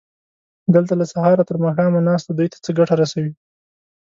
دلته له سهاره تر ماښامه ناسته دوی ته څه ګټه رسوي؟